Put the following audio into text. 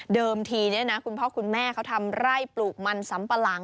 เดิมทีเนี่ยนะคุณพ่อคุณแม่เขาทำไร่ปลูกมันสำปะหลัง